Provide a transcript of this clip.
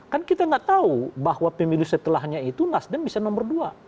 kan kita nggak tahu bahwa pemilu setelahnya itu nasdem bisa nomor dua